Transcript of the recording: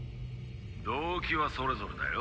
動機はそれぞれだよ。